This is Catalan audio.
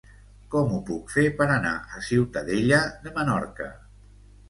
Com ho puc fer per anar a Ciutadella de Menorca?